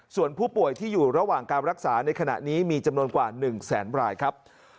ส่วนผู้ป่วยที่อยู่ระหว่างการรักษาในขณะนี้มีจำนวนกว่า๑แสนรายครับ